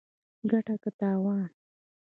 ګټه که تاوان